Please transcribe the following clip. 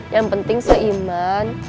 yang penting seiman